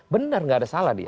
benar nggak ada salah dia